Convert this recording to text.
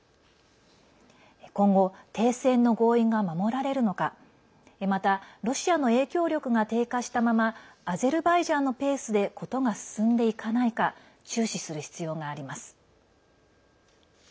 今後、停戦の合意が守られるのかまた、ロシアの影響力が低下したままアゼルバイジャンのペースで事が進んでいかないか注視する必要があります。